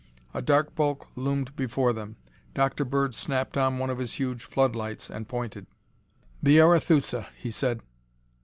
A dark bulk loomed before them. Dr. Bird snapped on one of his huge floodlights and pointed. "The Arethusa," he said.